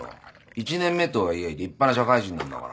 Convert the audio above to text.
１年目とはいえ立派な社会人なんだから。